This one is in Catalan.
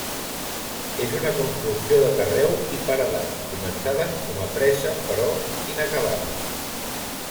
És una construcció de carreu i paredat, començada com a presa, però inacabada.